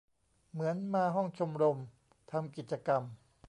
เหมือนมาห้องชมรม ทำกิจกรรม